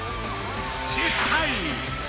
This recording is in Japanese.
失敗！